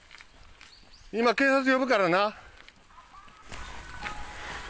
今、警察呼ぶからな。